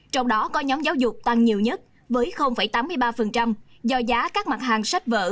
trong đó có nhóm giáo dục tăng nhiều nhất với tám mươi ba do giá các mặt hàng sách vỡ